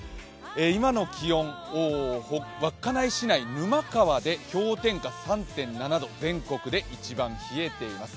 今の気温、稚内市内、沼川で氷点下３．７度全国で一番冷えています。